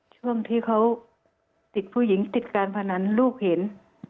ช่วงที่เขาติดผู้หญิงติดการพนันลูกเห็น